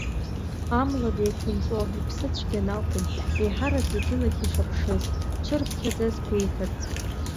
Амла деиқәынҵәо, иԥсы цәгьаны акәым, еиҳараӡак илахь ишаԥшыз, дшырԥхьаӡаз гәеиҭарц…